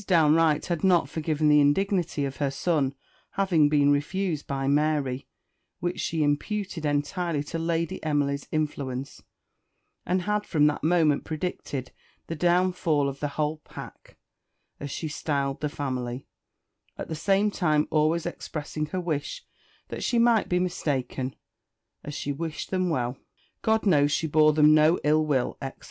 Downe Wright had not forgiven the indignity of her son having been refused by Mary, which she imputed entirely to Lady Emily's influence, and had from that moment predicted the downfall of the whole pack, as she styled the family; at the same time always expressing her wish that she might be mistaken, as she wished them well God knows she bore them no ill will, etc.